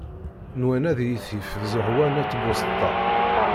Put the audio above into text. Nwan ad iyi-tif Zehwa n At Buseṭṭa.